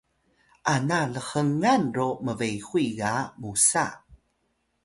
ana lhngan ro mbehuy ga musa